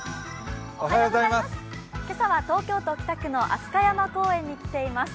今朝は東京都北区の飛鳥山公園に来ています。